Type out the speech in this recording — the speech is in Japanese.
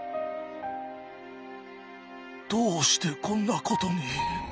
どうしてこんなことに。